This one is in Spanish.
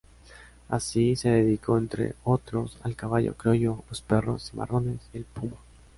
Así, se dedicó, entre otros, al caballo criollo, los perros cimarrones y el puma.